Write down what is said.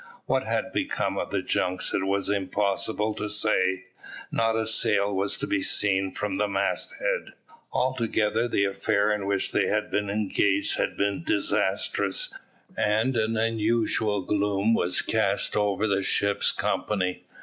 What had become of the junks it was impossible to say. Not a sail was to be seen from the mast head. Altogether the affair in which they had been engaged had been disastrous, and an unusual gloom was cast over the ship's company.